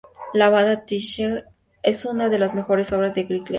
La balada ""The Sage"" es una de las mejores obras de Greg Lake.